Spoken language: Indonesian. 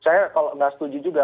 saya tidak setuju juga